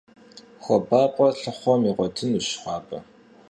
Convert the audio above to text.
ХуабапӀэ лъыхъуэм игъуэтынущ хуабэ.